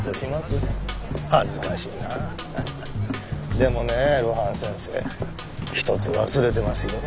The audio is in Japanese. でもね露伴先生一つ忘れてますよ。